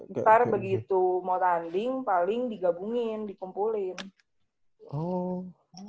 ntar begitu mau tanding paling digabungin dikumpulin